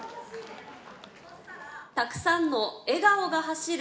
たくさんの笑顔が走る